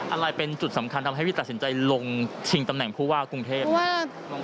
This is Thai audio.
อะไรเป็นจุดสำคัญทำให้พี่ตัดสินใจลงชิงตำแหน่งผู้ว่ากรุงเทพ